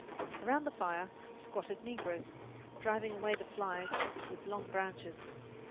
Around the fire squatted negroes, driving away the flies with long branches.